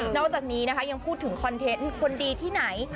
อกจากนี้นะคะยังพูดถึงคอนเทนต์คนดีที่ไหน